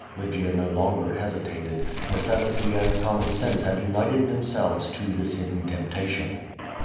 Lygia no longer hesitated; necessity and com mon sense had united themselves to this hidden temptation.